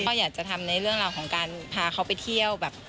เขาอยากจะทำในเรื่องราวของการพาเขาไปเที่ยวแบบ